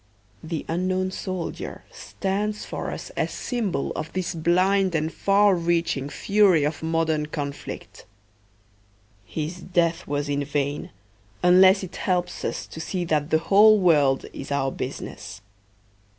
The unknown soldier stands for us as symbol of this blind and far reaching fury of modern conflict. His death was in vain unless it helps us to see that the whole world is our business.